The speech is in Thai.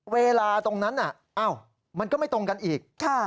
เวลาตรงนั้นมันก็ไม่ตรงกันอีก